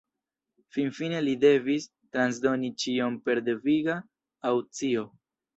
Finfine li devis transdoni ĉion per deviga aŭkcio.